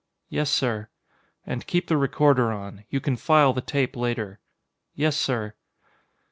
"Yes, sir." "And keep the recorder on. You can file the tape later." "Yes, sir."